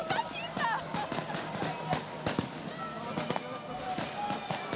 meriah banget ya